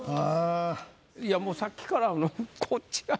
いやもうさっきからこっちが。